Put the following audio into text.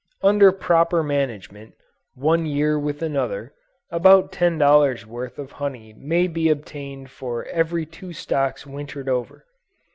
Under proper management, one year with another, about ten dollars worth of honey may be obtained for every two stocks wintered over.